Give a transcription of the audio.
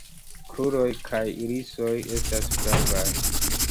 Kruroj kaj irisoj estas flavaj.